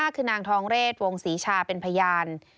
คือนางทองเรศวงศรีชาเป็นพยาน